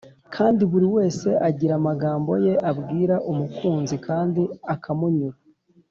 kandi buri wese agira amagambo ye abwira umukunzi kandi akamunyura.